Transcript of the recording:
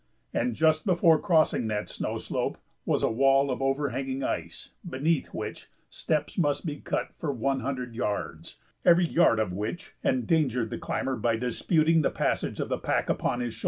And just before crossing that snow slope was a wall of overhanging ice beneath which steps must be cut for one hundred yards, every yard of which endangered the climber by disputing the passage of the pack upon his shoulders.